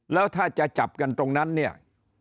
แล้วถ้าจะจับกันตรงนั้นเนี่ย